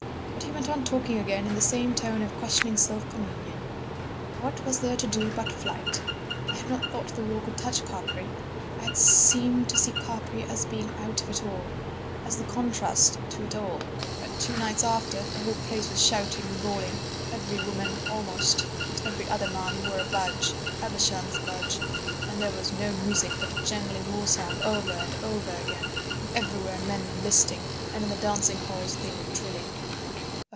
But he went on talking again in the same tone of questioning self communion. "What was there to do but flight? I had not thought the war would touch Capri—I had seemed to see Capri as being out of it all, as the contrast to it all; but two nights after the whole place was shouting and bawling, every woman almost and every other man wore a badge—Evesham's badge—and there was no music but a jangling war song over and over again, and everywhere men enlisting, and in the dancing halls they were drilling.